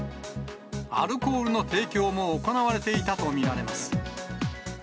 アルコールの提供も行われていたと見られます。